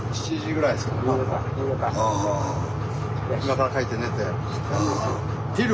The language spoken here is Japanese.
今から帰って寝て。